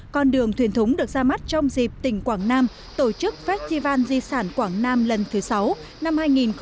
con đường thuyền thúng được ra mắt trong dịp tỉnh quảng nam tổ chức festival di sản quảng nam lần thứ sáu năm hai nghìn một mươi chín